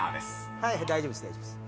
大丈夫です大丈夫です。